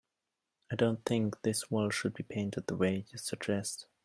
I don't think this wall should be painted the way you suggested.